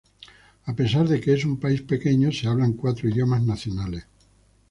A pesar de que es un país pequeño, se hablan cuatro idiomas nacionales.